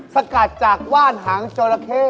สกัดจากวาดหางโจราเค